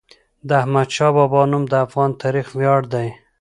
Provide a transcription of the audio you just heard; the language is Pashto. د احمدشاه بابا نوم د افغان تاریخ ویاړ دی.